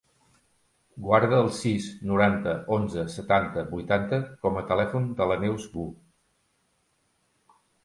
Guarda el sis, noranta, onze, setanta, vuitanta com a telèfon de la Neus Boo.